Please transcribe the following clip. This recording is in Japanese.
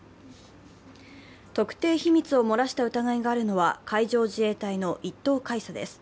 特定秘密を漏らした疑いがあるのは海上自衛隊の１等海佐です。